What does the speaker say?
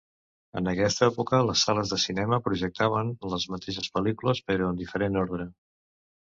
En aquesta època, les sales de cinema projectaven les mateixes pel·lícules però en diferent ordre.